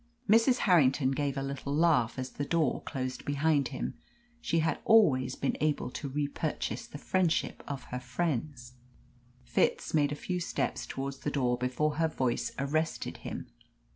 Mrs. Harrington gave a little laugh as the door closed behind him. She had always been able to repurchase the friendship of her friends. Fitz made a few steps towards the door before her voice arrested him.